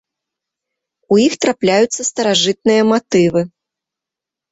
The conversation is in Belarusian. У іх трапляюцца старажытныя матывы.